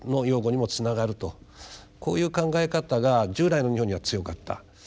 こういう考え方が従来の日本には強かった。